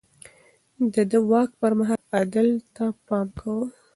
ده د واک پر مهال عدل ته پام کاوه.